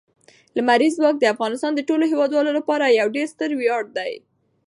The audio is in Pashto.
لمریز ځواک د افغانستان د ټولو هیوادوالو لپاره یو ډېر ستر ویاړ دی.